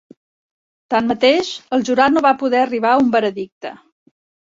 Tanmateix, el jurat no va poder arribar a un veredicte.